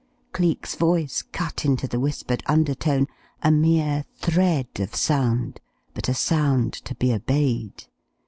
Cleek's voice cut into the whispered undertone, a mere thread of sound, but a sound to be obeyed.